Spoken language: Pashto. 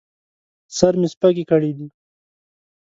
سر مې سپږې کړي دي